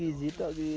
ini tidak buat ini